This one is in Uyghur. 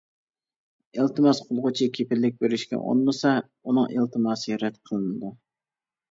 ئىلتىماس قىلغۇچى كېپىللىك بېرىشكە ئۇنىمىسا، ئۇنىڭ ئىلتىماسى رەت قىلىنىدۇ.